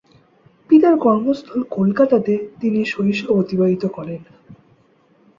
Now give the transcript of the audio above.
পিতার কর্মস্থল কলকাতাতে তিনি শৈশব অতিবাহিত করেন।